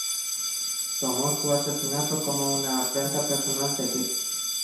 Tomó su asesinato como una afrenta personal de Hitler.